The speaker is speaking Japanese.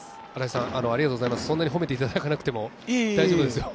そんなに褒めていただかなくても大丈夫ですよ。